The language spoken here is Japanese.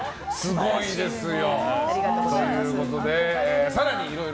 すごいですよ。